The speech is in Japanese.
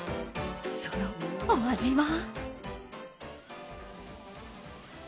そのお味は。